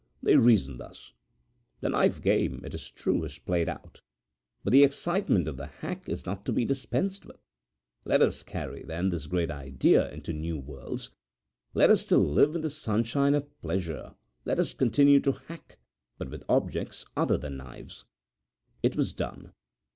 They reasoned thus: 'The knife game, it is true, is played out, but the excitement of the hack is not to be dispensed with. Let us carry, then, this great idea into new worlds; let us still live in the sunshine of pleasure; let us continue to hack, but with objects other than knives.' It was done.